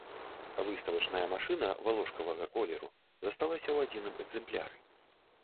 Выставачная машына валошкавага колеру засталася ў адзіным экземпляры.